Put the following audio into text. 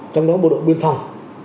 trong đó bộ đội biên phòng